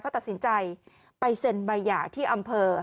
เขาตัดสินใจไปเซ็นใบหย่าที่อำเภอ